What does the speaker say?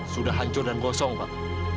sudah hancur dan gosong pak